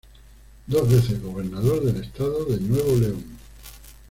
Dos veces gobernador del estado de Nuevo León.